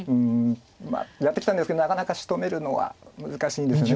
まあやってきたんですけどなかなかしとめるのは難しいんですよね